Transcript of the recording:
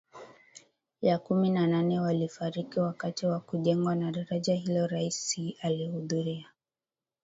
ya kumi na nane walifariki wakati wa kujengwa kwa daraja hilo Rais Xi alihudhuria